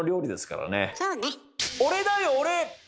俺だよ俺！